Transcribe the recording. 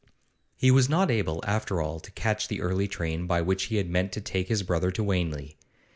He was not able, after all, to catch the early train by which he had meant to take his brother to Wanley.